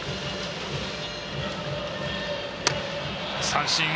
三振。